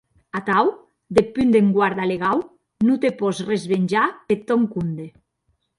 Atau, deth punt d’enguarda legau, non te pòs resvenjar peth tòn compde.